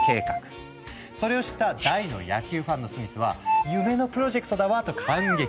それを知った大の野球ファンのスミスは「夢のプロジェクトだわ！」と感激。